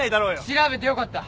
調べてよかった。